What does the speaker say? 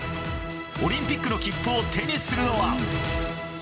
オリンピックの切符を手にするのは。